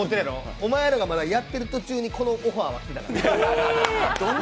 お前らがまだやってる途中にこのオファーは来たからな。